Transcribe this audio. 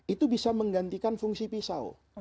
itu bisa menggantikan fungsi pisau